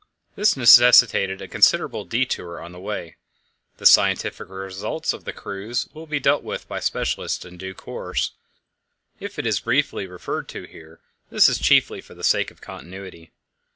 This necessitated a considerable détour on the way. The scientific results of this cruise will be dealt with by specialists in due course; if it is briefly referred to here, this is chiefly for the sake of continuity.